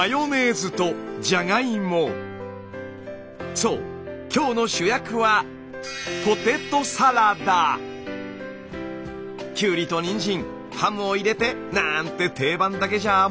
そう今日の主役はきゅうりとにんじんハムを入れてなんて定番だけじゃあもったいない！